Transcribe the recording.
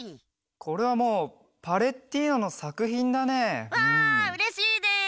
これはもうパレッティーノのさくひんだね。わうれしいです！